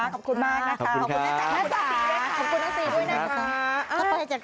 ขอบคุณแม่จ๋าขอบคุณครับ